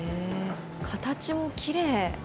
形もきれい。